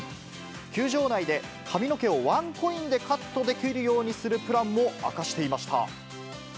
球場内で髪の毛をワンコインでカットできるようにするプランも明かしていました。